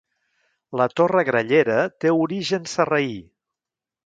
La Torre Grallera té origen sarraí.